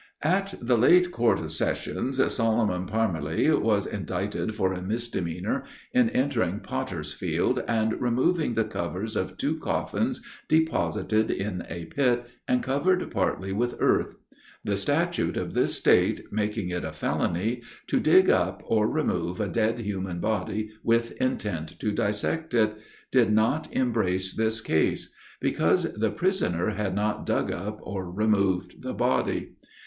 "At the late Court of Sessions, Solomon Parmeli was indicted for a misdemeanor, in entering Potter's Field, and removing the covers of two coffins deposited in a pit, and covered partly with earth. The statute of this state making it a felony, to dig up or remove a dead human body with intent to dissect it, did not embrace this case; because the prisoner had not dug up or removed the body. Mr.